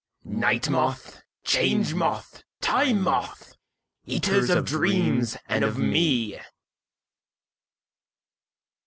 Night Moth, Change Moth, Time Moth, eaters of dreams and of me!